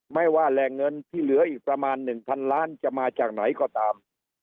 ไม่ว่าแหล่งเงินที่เหลืออีกประมาณ๑๐๐ล้านจะมาจากไหนก็ตาม